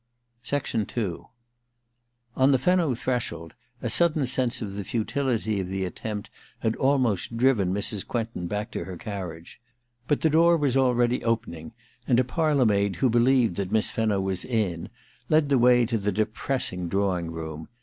II On the Fenno threshold a sudden sense of the futility of the attempt had almost driven Mrs. Quentin back to her carriage ; but the door was already opening, and a parlour maid, who believed that Miss Fenno was in, led the way to the depressing drawing room.